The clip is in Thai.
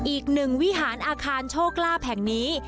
อีกหนึ่งวิหารอาคารโชคลาภแห่งนี้